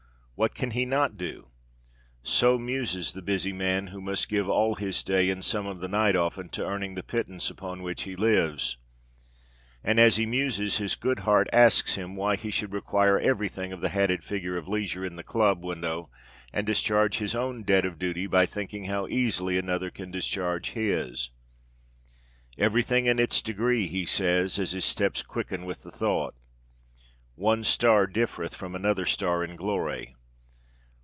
What can he not do? So muses the busy man, who must give all his day, and some of the night often, to earning the pittance upon which he lives. And as he muses his good heart asks him why he should require everything of the hatted figure of leisure in the club window, and discharge his own debt of duty by thinking how easily another can discharge his. Everything in its degree, he says, as his steps quicken with the thought. One star differeth from another star in glory.